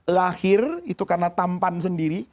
lahir itu karena tampan sendiri